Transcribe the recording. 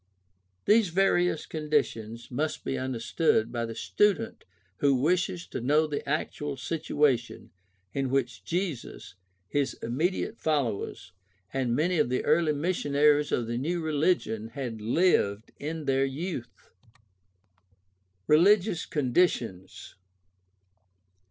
These various conditions must be understood by the student who wishes to know the actual situation in which Jesus, his imme diate followers, and many of the early missionaries of the new religion had lived in their youth. Religious conditions.